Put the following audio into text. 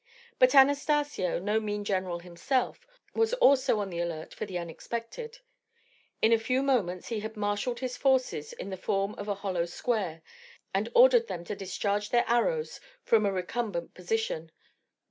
But Anastacio, no mean general himself, was also on the alert for the unexpected. In a few moments he had marshalled his forces in the form of a hollow square, and ordered them to discharge their arrows from a recumbent position.